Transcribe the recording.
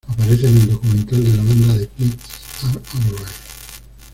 Aparece en el documental de la banda "The Kids Are Alright".